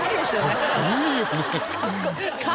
かっこいいよね。